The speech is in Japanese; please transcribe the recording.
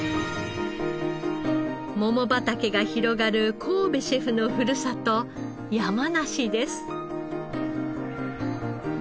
桃畑が広がる神戸シェフのふるさと山梨です。